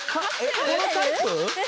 このタイプ？